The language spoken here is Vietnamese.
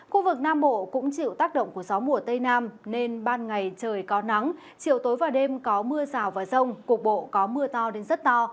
khu vực nam bộ cũng chịu tác động của gió mùa tây nam nên ban ngày trời có nắng chiều tối và đêm có mưa rào và rông cục bộ có mưa to đến rất to